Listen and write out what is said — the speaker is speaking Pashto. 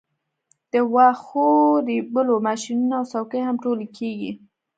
د واښو ریبلو ماشینونه او څوکۍ هم ټولې کیږي